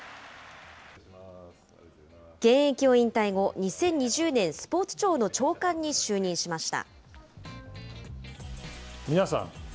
現役を引退後、２０２０年、スポーツ庁の長官に就任しました。